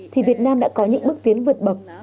thì việt nam đã có những bước tiến vượt bậc